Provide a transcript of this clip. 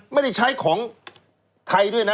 ไม่ใช่ของไทยด้วยนะ